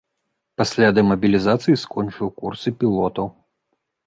Пасля дэмабілізацыі скончыў курсы пілотаў.